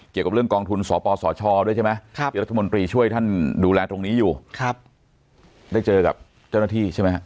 เกี่ยวกับเรื่องกองทุนสปสชด้วยใช่ไหมที่รัฐมนตรีช่วยท่านดูแลตรงนี้อยู่ได้เจอกับเจ้าหน้าที่ใช่ไหมฮะ